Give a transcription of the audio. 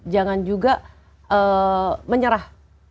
jangan juga menyerah